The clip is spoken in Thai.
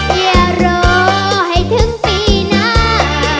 อย่ารอให้ถึงปีหน้า